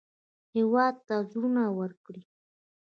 هېواد ته زړونه ورکړئ